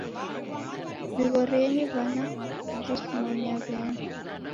W'ighorienyi w'ana kujisimaia w'eni.